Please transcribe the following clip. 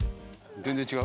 全然違う？